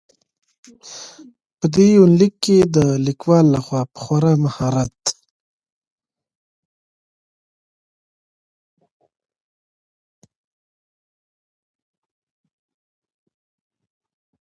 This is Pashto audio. په دې يونليک کې د ليکوال لخوا په خورا مهارت.